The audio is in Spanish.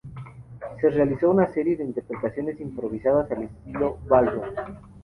Se realizó una serie de interpretaciones improvisadas al estilo "Ballroom".